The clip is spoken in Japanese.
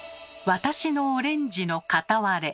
「私のオレンジの片割れ」？